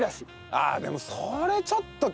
あでもそれちょっときつい。